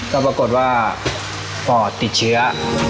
แล้วปรากฏว่าฟอตติดเชื้อ